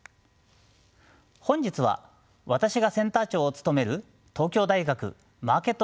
本日は私がセンター長を務める東京大学マーケット